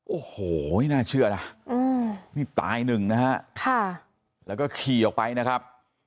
โอ้โหน่าเชื่อนะนี่ตายหนึ่งนะฮะแล้วก็ขี่ออกไปนะครับ